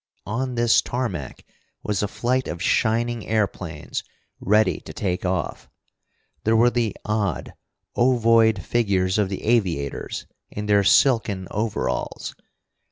On this tarmac was a flight of shining airplanes, ready to take off. There were the odd, ovoid figures of the aviators in their silken overalls.